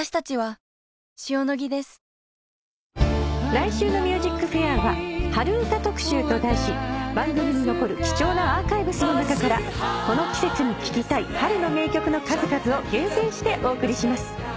来週の『ＭＵＳＩＣＦＡＩＲ』は「春うた特集」と題し番組に残る貴重なアーカイブスの中からこの季節に聴きたい春の名曲の数々を厳選してお送りします。